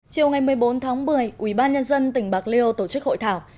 chiều ngày một mươi bốn tháng một mươi ubnd tỉnh bạc liêu tổ chức hội thảo